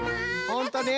ほんとね。